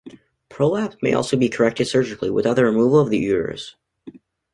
Prolapse may also be corrected surgically without removal of the uterus.